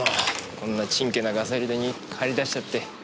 こんなチンケなガサ入れに駆り出しちゃって。